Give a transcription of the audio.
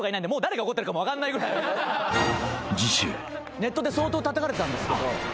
ネットで相当たたかれてたんですけど。